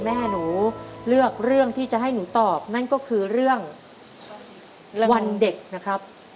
แม่หนูเลือกเรื่องที่จะให้หนูตอบนั่นก็คือเรื่องวันเด็กนะครับ